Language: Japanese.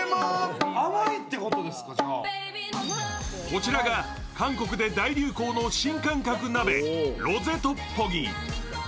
こちらが韓国で大流行の新感覚鍋・ロゼトッポギ。